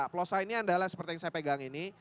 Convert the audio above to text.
plosa ini adalah seperti yang saya pegang ini